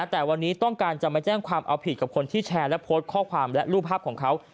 แต่วันนี้ต้องการจะมาแจ้งความเอาผิดกับคนที่แชร์และโพสต์ข้อความและรูปภาพของเขา